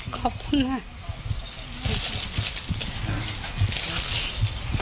ขอบคุณมาก